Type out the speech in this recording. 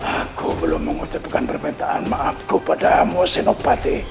aku belum mengutipkan permintaan maafku padamu senopati